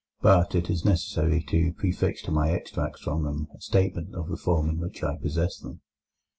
But it is necessary to prefix to my extracts from them a statement of the form in which I possess them.